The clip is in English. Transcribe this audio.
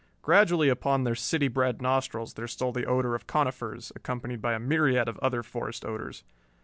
Gradually upon their city bred nostrils there stole the odor of conifers, accompanied by a myriad of other forest odors.